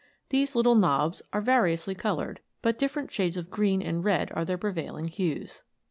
These little knobs are variously coloured, but diffe rent shades of green and red are their prevailing hues.